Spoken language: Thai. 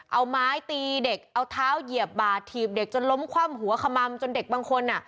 เอาไม้ตีเด็กเอาเท้าเหยียบบาดถีบเด็กจนล้มคว่ำหัวขมัมจนเด็กบางคน